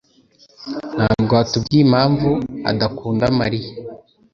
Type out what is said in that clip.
Ntabwo watubwiye impamvu adakunda Mariya.